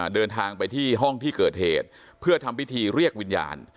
เดินทางไปที่ห้องที่เกิดเหตุเพื่อทำพิธีเรียกวิญญาณ